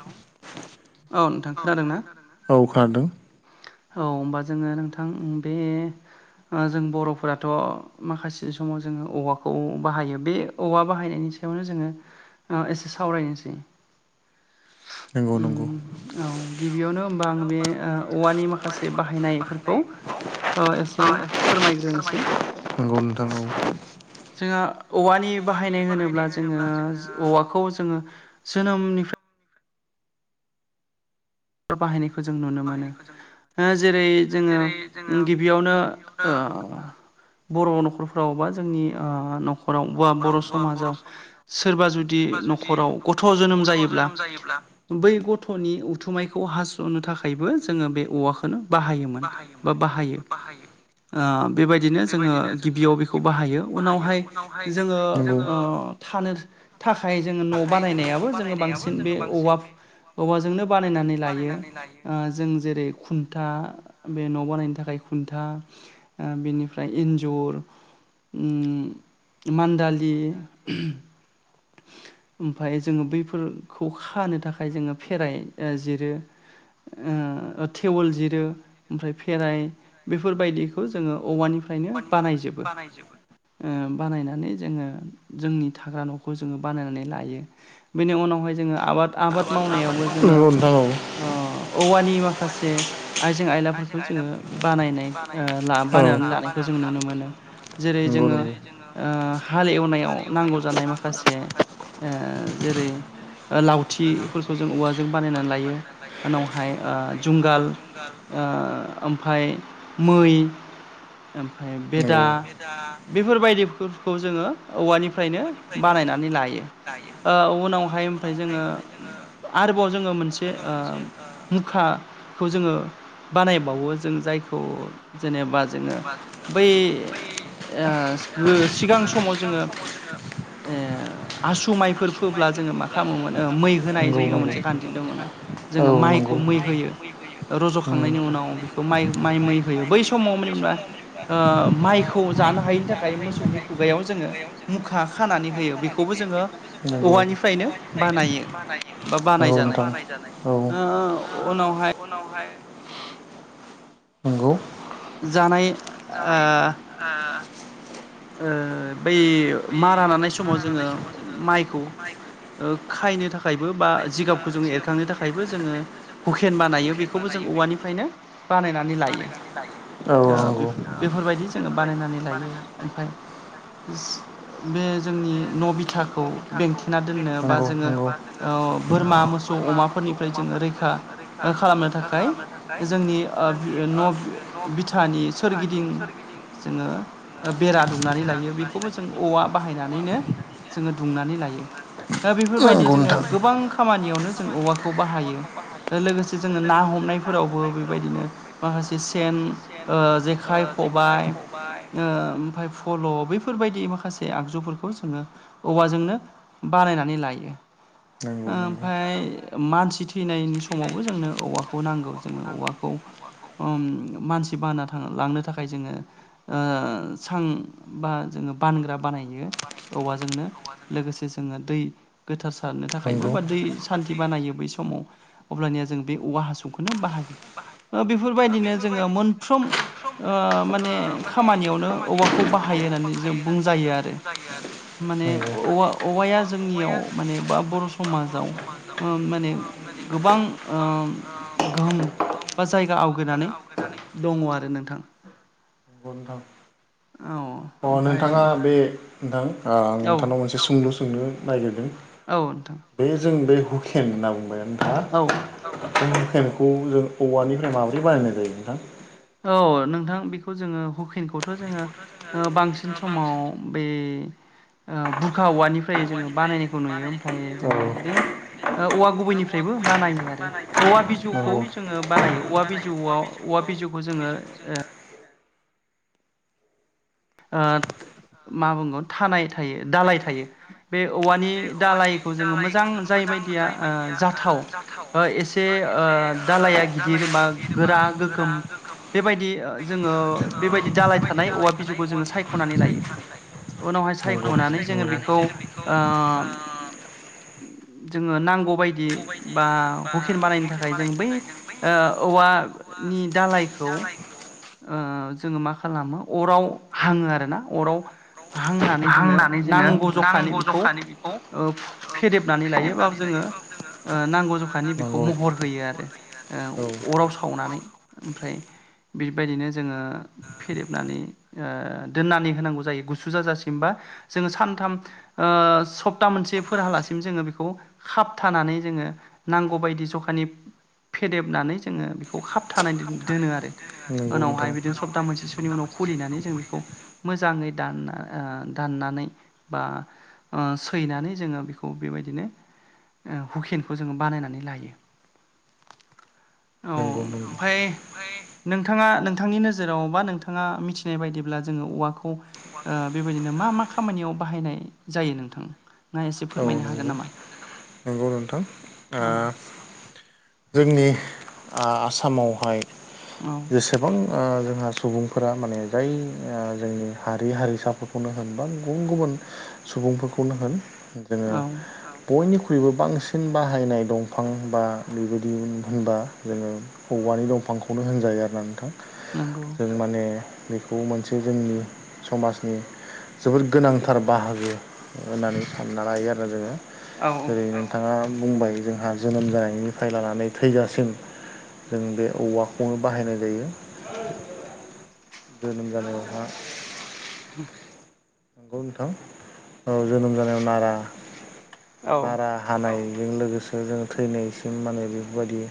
Hello औ नोंथां खोनादोंना? औ खोनादों औ ओमबा जोङो नोंथां बे ओ जों बर'फोराथ' माखासे समाव जोङो औवाखौ बाहायो बे औवा बाहायनायनि सा यावनो जोङो एसे सावरायनोसै नंगौ उम नंगौ औ गिबियावनो ओमबा आं बे औवानि माखा से बाहायनायफोरखौ एसे फोरमायग्रोनोसै नंगौ नोंथां औ जोङो औवानि बाहायनाय होनोब्ला जोङो औवाखौ जोङो जोनोमनिफ्राय बाहायनायखौ जों नुनो मोनो। जेरै जोङो गिबियावनो बर' न'खरफ्राव बा जोंनि न'खराव बा बर' समाजाव सोरबा जुदि न'खराव गथ' जोनोम जायोब्ला बै गथ'नि उथुमायखौ हास'नो थाखायबो जोङो बे औवाखोनो बाहायोमोन बा बाहायो। बेबायदिनो जोङो गिबियाव बेखौ बाहायो। उनावहाय जोङो थानो थाखाय जोङो न' बानायनायाबो जोङो बांसिन बे औवा औवाजोंनो बानायनानै लायो। जों जेरै खुन्था बे न' बानायनो थाखाय खुन्था। बेनिफ्राय इन्जुर, मान्दा लि, ओमफाय जोङो बैफोरखौ खानो था थाखाय जोङो खेराइ जिरो, टेबोल जिरो। ओमफ्राय फेराइ बेफोरबायदिखौ जोङो औवानिफ्रायनो बानायजोबो। ओ बानायनानै जोङो जोंनि थाग्रा न'खौ जोङो बानायनानै लायो। बेनि उनावहाय जोङो आबाद आबाद मावनायावबो जोङो नंगौ नोंथां औ औवानि माखासे आइजें आइला फोरखौ जोङो बानायनाय बानायनानै लानायखौ जों नुनो मोनो। जेरै मोनो जोङो हाल एवनायाव नांगौ जानाय माखासे जेरै लावथिफोरखौ जों औवाजों बानायनानै लायो। उनावहाय ओ जुंगाल ओ ओमफ्राय मै, ओमफ्राय बेदा, नंगौ बेफोरबायदि फोरखौ जोङो औवानिफ्रायनो बानायनानै लायो। उनावहाय ओमफाय जोङो आरोबाव जोङो मोनसे मुखाखौ जोङो बानायबावो जों जायखौ जेनेबा जोङो बै सिगां समाव जोङो आसु माइफोर फोब्ला जोङो मा खामोमोन मै होनाय जोंनियाव मोनसे खान्थि दङना। जोङो होनाय माइखौ मै होयो, रज'खांनायनि उनाव बेखौ माइ माइ मै होयो। बै समाव [unintelligible] माइखौ जानो हायैनि थाखाय मोसौनि खुगायाव जोङो मुखा खानानै होयो बेखौबो जोङो औवानिफ्रायनो बानायो। बा औ बानायजानाय नोंथां औ। उनावहाय नंगौ। जानाय जानाय ओ बै मारा नानाय समाव जोङो माइखौ खायनो थाखायबो बा जिगाबखौ जोङो एरखांनो थाखायबो जोङो हुखेन बानायो बेखौबो जों औवानिफ्रायनो बानायनानै लायो। औ ओ औ नंगौ। बेफोर बेफोरबायदि जोङो बानायनानै लायो। ओमफाय बे जोंनि न' बिथाखौ बेंथेना दोननो बा जोङो बोरमा मोसौ अमाफोरनिफ्राय जोङो रैखा खा खालामनो थाखाय जोंनि ओ बि बि न' बिथानि सोरगिदिं जोङो बेरा दुमनानै लायो। बेखौबो जों औवा बाहायनानैनो जोङो दुमनानै लायो। दा बेफोरबायदि जोङो गोबां खामानियावनो जों औवाखौ बाहायो। लोगोसे जोङो ना हमनायफोरावबो बेबायदिनो माखासे सेन ओ जेखाइ, खबाय, ओमफफ्राय फल' बेफोरबायदि माखासे आगजुफोरखौ जोङो औवाजोंनो बानायनानै लायो जोंनि ओमफफ्राय मानसि थैनायनि समावबो जोंनो औवाखौ नांगौ जोंनो औवाखौ मानसि बाना लांनो थाखाय ओ जोङो सां बा जोङो बानग्रा बानायो औवाजोंनो लोगोसे जोङो दै गोथार सारनो थाखायबो बा दै सान्थि बानायो बै समाव अब्लानिया जों बे औवा हासु सौखौनो बाहायो बेफोरबायदिनो जोङो मोनफ्रोम माने खामानियावनो औवाखौ बाहायो होननानै जों बुंजायो आरो माने औवा औवाया जोंनियाव माने बा बर' समाजाव माने गोबां गोहोम बा जायगा आवगायनानै दङ आरो नोंथां बुंथां औ अ ओमफ्राय नोंथाङा बे नोंथां औ नोंथांनाव मोनसे सुंलु सोंलु नागिरदों औ नोंथां बे जों बे हुकेन होनना बुंबाय औ मखौ जों औवानिफ्राय माबोरै बानायनाय जायो नोंथां औ नोंथां बेखौ जोङो हुकिनखौथ' जोङो बांसिन समाव बे बुरखा औवानिफ्राय जोङो बानायनायखौ नुयो ओमफ्राय जोङो बे औवा गुबैनिफ्राय फ्रायबो बानायो आरो औवा बिजौखौ जोङो बानायो औवा बिज बिजौआव औवा बिजौखौ जोङो मा बुंगोन थानाय थायो दालाय थायो बे औवानि दालायखौ जोङो मोजां जायबायायदि जाथाव एसे दालाया गिदिर बा गोरा गोगोम बेबायदि जोङो बेबायदि दालाय थानाय औवा बि ज सनानै उनावहाय सखनानै जोङो बेखौ जोङो नांगौ बाय बा हुकेन बानायनो थाखाय जों बै औवानि दालाय जाय जोङो मा खालामो अराव हाङो आरोना अराव हांनानै जोङो नांगौ जखानि बेखौ फदेबनानै लायोब औ नांगौ जखानि बेखौ महर होयो आरो होयो औ अराव सावनानै ओमफ्राय बेबायदिनो जोङो फेरेबनानै दोननानै होनांगौ जायो गुसु जाजासिमबा जोङो सानथाम स सपता मोनसे फोर हालासिम जोङो बेखौ खाबथानानै जोङो नांगौबायायदि जखानि फेदेबनानै जोङो बेखौ खाबथानानै दोनो आरो नंगौ उनावहाय नोंथां बिदिनो सप्ता मोनसेसोनि उनाव खलिनानै जों बेखौ मोजाङै दानना दाननानै बा सैनानै जोङो बेखौ बेबायदिनो हुकेनखौ जोङो बानायनानै लायो औ नंगौ नंगौ ओमाय नोंथाङा नोंथांनि नोजोराव बा नोंथाङा मिथि फिनाय बायदिब्ला जोङो औवाखौ बेबायदिनो मा मा खामानियाव बाहायनाय जायो नोंथां ना एसे औ फोरमायनो हागोन नंगौ नामा नंगौ नोंथां औ जोंनि आसामावहाय औ जेसेबां जोंहा सुबुंफोरा माने जाय जोंनि हारि हारिसाफोर नो होन बा गुबुन गुबुन सुबुंफोरखौनो होन जोङो औ बयनिख्रुइबो बांसिन बाहायनाय दंफां बा बेबायदि होनबा जोङो औवानि दंफांखौनो होनजायो आरोना नोंथां नंगौ जों माने बेखौ मोनसे जोंनि समाजनि जोबोद गोनांथार बाहागो होननानै सानना लायो आरो जोङो औ जेरै बिथाङा बुंबाय जोंहा जोनोम जानायनिफ्राय लानानै थैजासिम जों बे औवाखौनो बाहायनाय जायो। औ जोनोम जानायावहा नोंगौ नोंथां औ जोनोम जानायाव नारा औ नारा हानायजों लोगोसे जों थैनायसिम माने बेफोरबायदि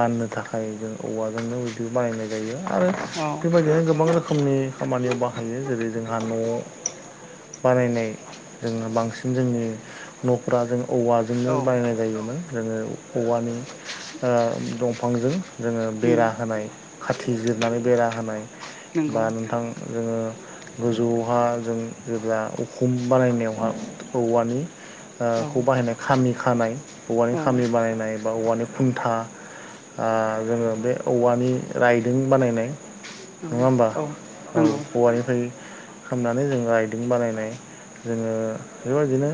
बाननो थाखाय जों औवाजोंनो बिदि बानायनाय जा यो आरो औ बेबायदिनो गोबां रोखोमनि खामानियाव बाहायो जेरै जोंहा न' बानायनाय जों बांसिन जोंनि न'फोरा जों औवा जोंनो औ बानायनाय जायोमोन जोङो औवानि ओ दंफांजों जोङो उम बेरा होनाय खाथि जिरनानै बेरा होनाय नंगौ बा नोंथां जोङो गोजौआवहा जों जेब्ला उखुम बानायनायावहा औवा ओ औ निखौ बाहायनाय खामि खानाय औवानि औ खामानि बानायनाय बा औवानि खुन्था जोङो बे औवानि रायदों बानायनाय औ नङा होमबा औ औ नंगौ औवानिफ्राय खनानै जों राइदिं बानायनाय जोङो बेबायदिनो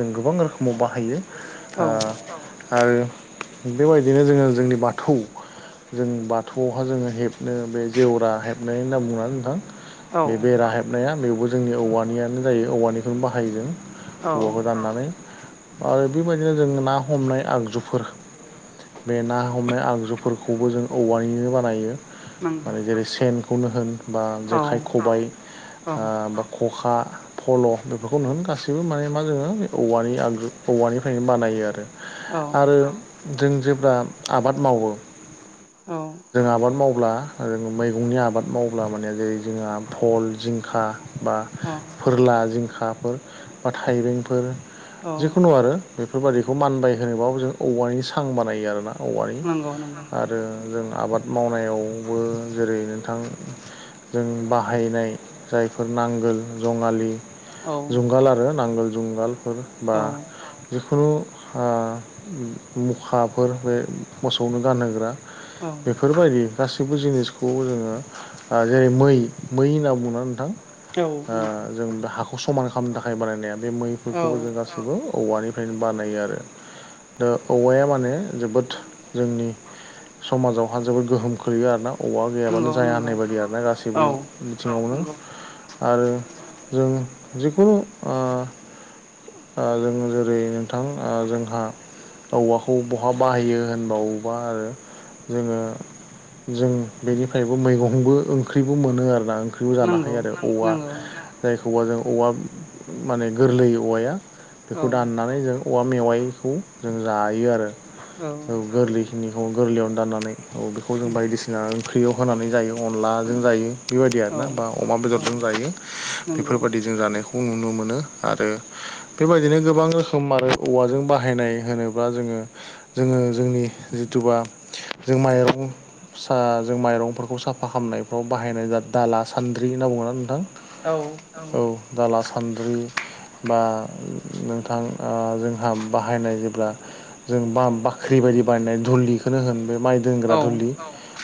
जों गोबां रोखोमाव बाहायो औ ओ आरो बेबायदिनो जोङो जोंनि बाथौ जों बाथौआवहा जोङो हेबनो बे जेवरा हेबनाय होनना बुङोना नोंथां। औ बे बेरा हेबनाया बेवबो जोंनि औवानि यानो जायो औवानिखौनो बाहायो जों औ औवाखौ दाननानै आरो बेबायदिनो जों ना हमनाय आगजुफोर बे ना हमनाय आगजुफोरखौबो जों औवानिनो बानायो। नंगौ माने जेरै सेनखौनो होन बा औ जेखाइ, खबाय औ ओ बा खखा फल' बेफोरखौनो गासैबो माने मा जोङो बे औवानि आगजु औवानिफ्रायनो बानायो आरो आरो जों जेब्ला आबाद मावो। औ जों आबाद मावब्ला ओ जों मैगंनि आबाद मावब्ला माने जेरै जोंहा फल जिंखा बा औ फोरला जिंखाफोर बा थाइबेंफोर औ जिखुनु आरो बेफोर बायादिखौ मानबाय होनोबाबो जों औवानि सां बानायो आरोना औवानि नंगौ नंगौ आरो जों आबाद मावनायावबो जेरै नोंथां जों बाहायनाय जायफोर नांगोल जङालि औ जुंगाल आरो नांगोल जुंगालफोर बा औ जिखुनु मुखाफोर बे मोसौनो गानहोग्रा औ बेफोर बायदि गासैबो जिनिसखौ जोङो ओ जेरै मै मै होनना बुङोना नोंथां ओ जों हाखौ समान खालामनो थाखाय बानायनाया बे औ मैफोरखौबो जों गासैबो औवानिफ्रायनो बानायो आरो ओ औवाया माने जोबोद जोंनि समाजावहा जोबोद गोहोम खोलैयो आरोना ओवा गैयाबानो नंगौ जाया नंगौ होननाय बायदि आर ना गासैबो औ बिथिङावनो नंगौ आरो जों जिखुनु ओ ओ जों जेरै नोंथां जोंहा औवाखौ बहा बाहायो होनबावबा आरो जोङो जों बेनिफ्रायबो मैगंबो ओंख्रिबो मोनो आरोना ओंख्रिबो जानो नंगौ हायो आरो औवा नंगौ जायखौबा जों औवा माने गोरलै औवाया औ बेखौ दाननानै जों औवा मेवाइखौ जों जायो आरो औ गोरलैखिनिखौ गोरलैयावनो दाननानै औ बेखौ जों बायदिसिना ओंख्रियाव होनानै जायो अनलाजों जायो बेबायदि औ आरोना बा अमा औ बेदरजों जायो। नंगौ बेफोरबायादि जों जानायखौ नुनो मोनो आरो बेबायदिनो गोबां रोखोम आरो औवाजों बाहायनाय होनोब्ला जोंङो जोंङो जोंनि जिथुबा जों माइरं स जों माइरंफोरखौ साफा खालामनायफ्राव बाहायनाय जा दाला सान्द्रि होनना बुंङोना नोंथां औ औ दाला सान्द्रि बा नोंथां ओ जोंहा बाहायनाय जेब्ला जों बा बाख्रि बायदि बानायनाय दुलिखौनो होन बे माइ दोनग्रा औ दुलि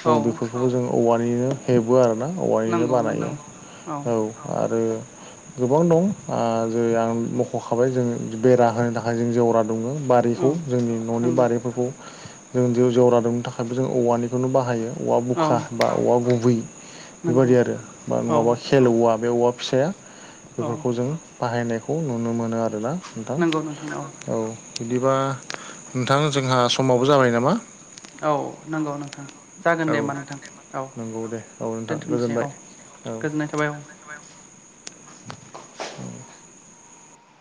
औ बेफोरखौबो जों औवानिनो हेबो आरोना औवानिनो नंगौ बानायो। नंगौ औ आरो गोबां दं ओ जे आं मख'खाबाय जों बेरा होनो थाखाय जों जेवरा दंङ बारि खौ जोंनि न'नि नंगौ बारिफोरखौ जों जेवरा दाबनो थाखायबो जों औवानिखौनो बाहायो औवा औ बुखा बा औवा गुबै नंगौ बेबायदि आरो बा औ नङाबा खेल औवा बे औवा फिसाया औ बेफोरखौ जों बाहायनायखौ नुनो मोनो आरोना नोंथां नंगौ नोंथां औ बिदिबा नोंथां जोंहा समावबो जाबाय नामा औ नंगौ नोंथां जागोन औ दे होमबा नोंथां औ नंगौ दे औ नोंथां दोनथ'नोसै औ गोजोनबाय औ गोजोननाय थाबाय [unintelligible] औ